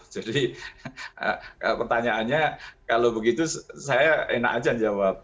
jadi pertanyaannya kalau begitu saya enak aja jawab